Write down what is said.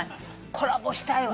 コラボしたいわ。